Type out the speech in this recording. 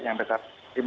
yang dekat lima belas